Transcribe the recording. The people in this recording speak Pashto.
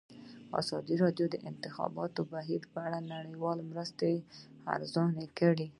ازادي راډیو د د انتخاباتو بهیر په اړه د نړیوالو مرستو ارزونه کړې.